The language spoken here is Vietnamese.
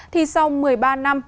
thì sau một mươi ba năm